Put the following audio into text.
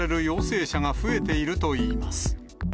陽性者が増えているといいます。